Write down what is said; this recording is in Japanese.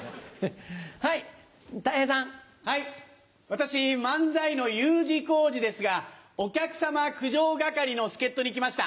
私漫才のＵ字工事ですがお客様苦情係の助っ人に来ました。